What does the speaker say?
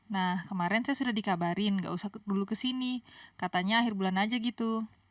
nah kemarin saya sudah dikabarin gak usah dulu kesini katanya akhir bulan aja gitu